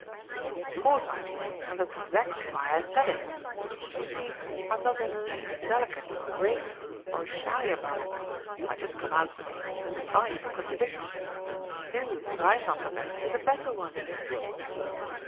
"Of course I do, and that's exactly why I said it. You see I'm not in the least delicate or graceful or shy about it I just come out with it and defy you to contradict me. Who, if I'm not the best, is a better one?"